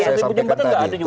saya sampaikan tadi itu